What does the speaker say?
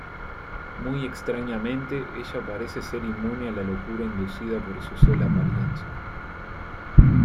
Muy extrañamente, ella parece ser inmune a la locura inducida por su sola apariencia.